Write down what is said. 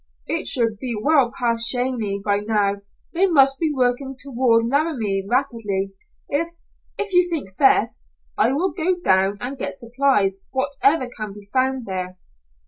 "It should be well past Cheyenne by now. They must be working toward Laramie rapidly. If if you think best, I will go down and get supplies whatever can be found there."